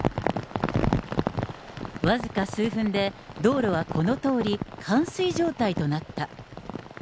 僅か数分で、道路はこのとおり、冠水状態となった。